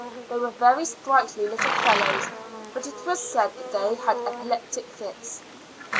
They were very sprightly little fellows, but it was said they had epileptic fits.